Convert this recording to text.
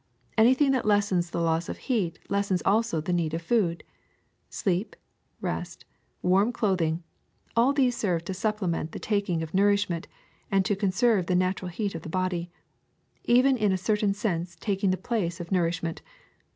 Anything that lessens the loss of heat lessens also the need of food. Sleep, rest, warm clothing, all these serve to supplement the taking of nourish ment and to conserve the natural heat of the body, even in a certain sense taking the place of nourish ment.